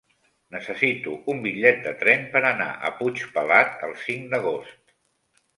Necessito un bitllet de tren per anar a Puigpelat el cinc d'agost.